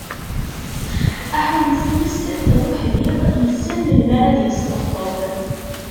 Aḥulfu-s d uḥdiq yessen melmi ara d-yesṭebṭeb.